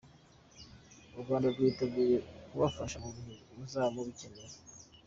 U Rwanda rwiteguye kubafasha mu gihe muzaba mubikeneye.